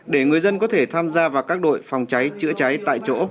để người dân có thể tham gia vào các đội phòng cháy chữa cháy tại chỗ